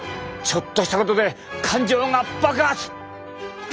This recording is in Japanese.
ちょっとしたことで感情が爆発！